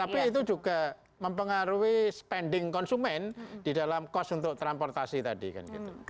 tapi itu juga mempengaruhi spending konsumen di dalam cost untuk transportasi tadi kan gitu